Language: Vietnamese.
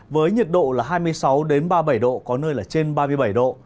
với nhiệt độ là hai mươi sáu ba mươi bảy độ có nơi là trên ba mươi bảy độ